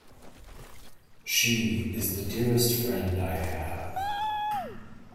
She is the dearest friend I have!